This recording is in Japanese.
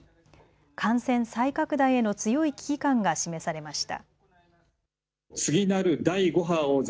感染再拡大への強い危機感が示されました。